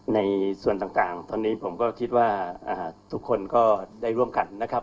ในส่วนต่างตอนนี้ผมก็คิดว่าทุกคนก็ได้ร่วมกันนะครับ